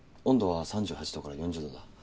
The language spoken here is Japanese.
温度は３８度から４０度だ。